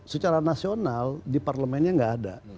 secara nasional di parlemennya nggak ada